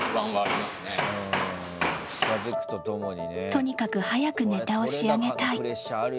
とにかく早くネタを仕上げたい。